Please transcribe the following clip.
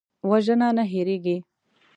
وژنه نه هېریږي